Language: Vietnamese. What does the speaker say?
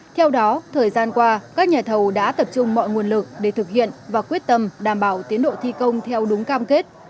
theo đó thời gian qua các nhà thầu đã tập trung mọi nguồn lực để thực hiện và quyết tâm đảm bảo tiến độ thi công theo đúng cam kết